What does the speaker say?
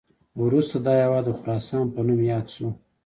وروسته دا هیواد د خراسان په نوم یاد شو